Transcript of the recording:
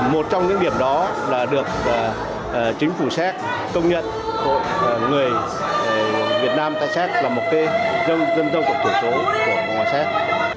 một trong những điểm đó là được chính phủ séc công nhận của người việt nam tại séc là một cái dân dân cộng thủ số của cộng hòa séc